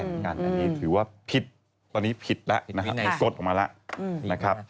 อยู่ว่าผิดตอนนี้ผิดแล้วนะคะกดออกมาแล้ว